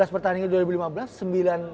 sebelas pertandingan dua ribu lima belas